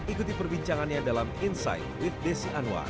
ikuti perbincangannya dalam insight with desi anwar